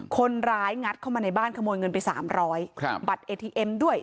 คนร้ายงัดเข้ามาในบ้านขโมยเงินไปสามร้อยครับบัตรเอทีเอ็มด้วย